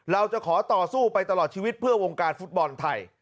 เราจะขอต่อสู้ไปตลอดชีวิตเพื่อวงการฟุตบอลไทย